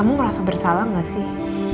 kamu merasa bersalah nggak sih